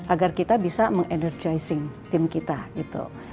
agar kita bisa mengendordizing tim kita gitu